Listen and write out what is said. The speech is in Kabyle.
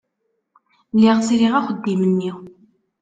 Lliɣ sriɣ axeddim-nni.